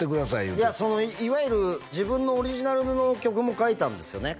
言うていやいわゆる自分のオリジナルの曲も書いたんですよね